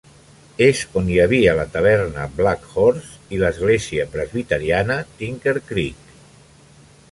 És on hi havia la taverna Black Horse i l'església presbiteriana Tinker Creek.